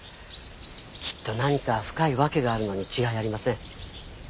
きっと何か深い訳があるのに違いありません